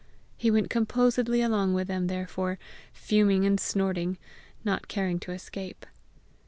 He went composedly along with them therefore, fuming and snorting, not caring to escape.